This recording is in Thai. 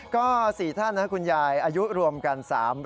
ก็๔ท่านคุณยายอายุรวมกัน๓๐๐